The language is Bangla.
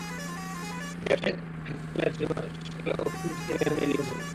ব্যবসায়ী হাসান খালেদ শনিবার সকালে ওষুধ কিনতে বাসা থেকে বের হয়ে নিখোঁজ হন।